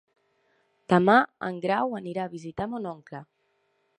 Demà en Grau anirà a visitar mon oncle.